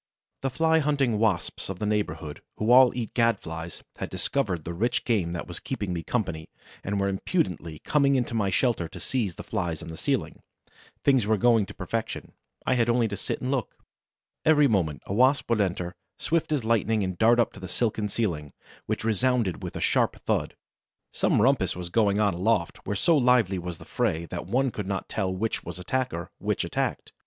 The Fly hunting Wasps of the neighborhood, who all eat Gad flies, had discovered the rich game that was keeping me company and were impudently coming into my shelter to seize the Flies on the ceiling. Things were going to perfection: I had only to sit still and look. Every moment a Wasp would enter, swift as lightning, and dart up to the silken ceiling, which resounded with a sharp thud. Some rumpus was going on aloft, where so lively was the fray that one could not tell which was attacker, which attacked.